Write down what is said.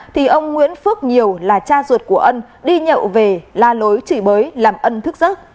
thì ông nguyễn phước nhiều là cha ruột của ân đi nhậu về la lối chửi bới làm ân thức giấc